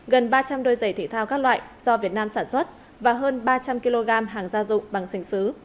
gần ba trăm linh đôi giày thể thao các loại do việt nam sản xuất và hơn ba trăm linh kg hàng gia dụng bằng sành xứ